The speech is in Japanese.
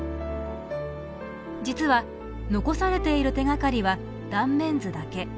実は残されている手がかりは断面図だけ。